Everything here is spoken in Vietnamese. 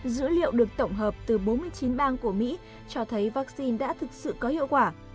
dữ liệu được tổng hợp từ bốn mươi chín bang của mỹ cho thấy vaccine đã thực sự có hiệu quả